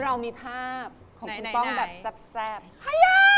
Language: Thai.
ระวังน้ำลายจะไหลนะคะ